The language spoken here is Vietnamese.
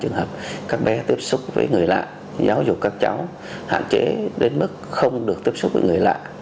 trường hợp các bé tiếp xúc với người lạ giáo dục các cháu hạn chế đến mức không được tiếp xúc với người lạ